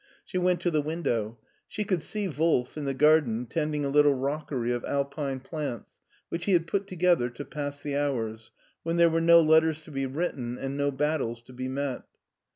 She went to the window. She could see Wolf in the garden tending a little rockery of Alpine plants, which he had put together to pass the hours, when there were no letters to be written and no battles to be met.